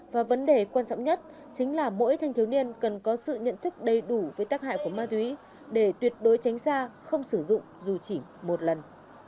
và vấn đề quan trọng nhất chính là mỗi thanh thiếu niên cần có sự nhận thức đầy đủ với tác hại của ma túy để tuyệt đối tránh xa không sử dụng dù chỉ một lần